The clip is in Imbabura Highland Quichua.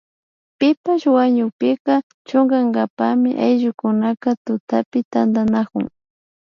Pipash wañukpika chunkankapami ayllukuna tutapi tantanakun